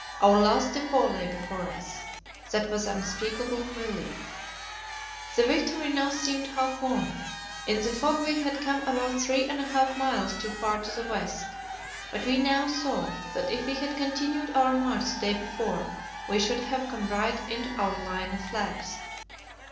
Our last depot lay before us; that was an unspeakable relief. The victory now seemed half won. In the fog we had come about three and a half miles too far to the west; but we now saw that if we had continued our march the day before, we should have come right into our line of flags.